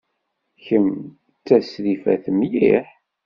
Kemm d tasrifat mliḥ.